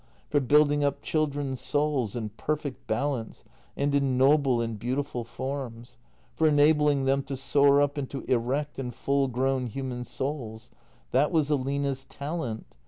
For building up children's souls in perfect balance, and in noble and beautiful forms. For enabling them to soar up into erect and full grown human souls. That was Aline's talent.